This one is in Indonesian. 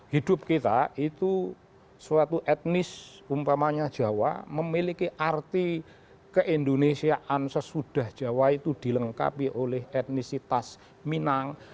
hidup kita itu suatu etnis umpamanya jawa memiliki arti keindonesiaan sesudah jawa itu dilengkapi oleh etnisitas minang